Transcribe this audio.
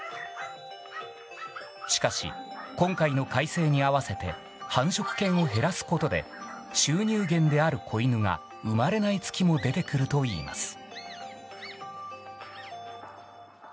しかし、今回の改正に合わせて繁殖犬を減らすことで収入源である子犬が生まれない月も出てくるといいます。